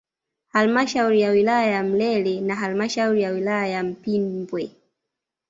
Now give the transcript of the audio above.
Halmashauri ya wilaya ya Mlele na halmashauri ya wilaya ya Mpimbwe